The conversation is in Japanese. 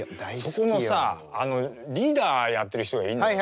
そこのさリーダーやってる人がいんのよ。